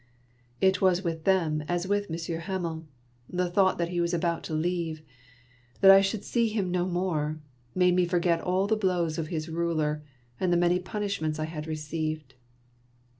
It was with them as with Monsieur Hamel, the thought that he was about to leave, that I should see him no more, made me forget all the blows of his ruler, and the many punishments I had received.